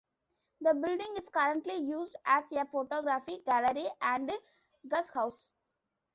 The building is currently used as a photography gallery and guesthouse.